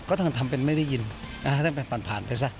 ก็ทันทำไม่ได้ยินอะทันทำรผ่านผ่านไปซะ